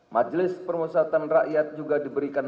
majelis permusatan rakyat juga diberikan